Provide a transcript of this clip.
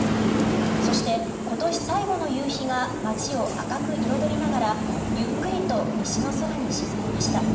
そして、今年最後の夕日が街を赤く彩りながらゆっくりと西の空に沈みました。